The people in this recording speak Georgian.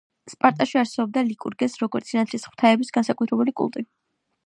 სპარტაში არსებობდა ლიკურგეს, როგორც სინათლის ღვთაების განსაკუთრებული კულტი.